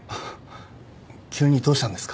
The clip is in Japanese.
急にどうしたんですか？